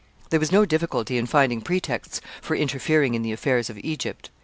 There was no difficulty in finding pretexts for interfering in the affairs of Egypt.